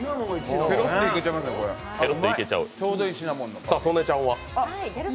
ペロっていけちゃいますね、ちょうどいいシナモン。